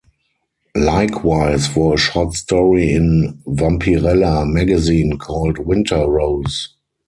Likewise for a short story in "Vampirella" magazine called "Winter Rose".